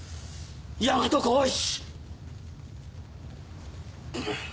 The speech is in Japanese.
大和耕一。